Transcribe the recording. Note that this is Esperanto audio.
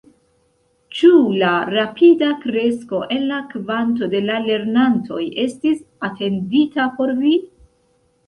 Ĉu la rapida kresko en la kvanto de la lernantoj estis atendita por vi?